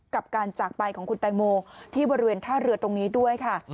กับการจากไปของคุณแตงโมที่บริเวณท่าเรือตรงนี้ด้วยค่ะ